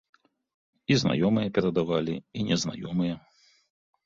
І знаёмыя перадавалі, і незнаёмыя.